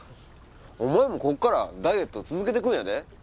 お前もこっからダイエット続けてくんやで？